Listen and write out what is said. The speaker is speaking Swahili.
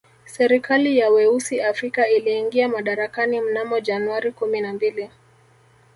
Serikali ya weusi Afrika iliingia madarakani mnamo Januari kumi na mbili